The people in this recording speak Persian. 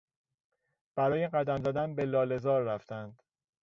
برای قدم زدن به لاله زار رفتند.